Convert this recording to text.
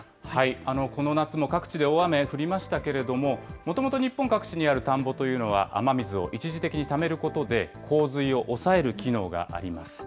この夏も各地で大雨降りましたけれども、もともと日本各地にある田んぼというのは、雨水を一時的にためることで、洪水を抑える機能があります。